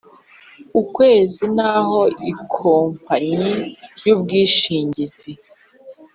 ukwezi naho ikompanyi y ubwishingizi